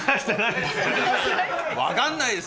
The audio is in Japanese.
分かんないです